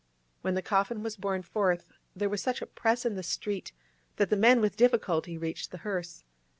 When the coffin was borne forth, there was such a press in the street that the men with difficulty reached the hearse.